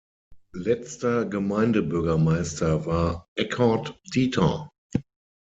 Letzter Gemeindebürgermeister war Eckard Dieter.